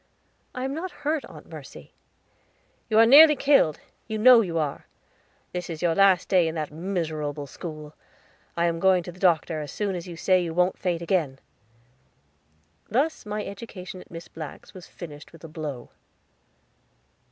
"I am not hurt, Aunt Mercy." "You are nearly killed, you know you are. This is your last day at that miserable school. I am going for the doctor, as soon as you say you wont faint again." Thus my education at Miss Black's was finished with a blow.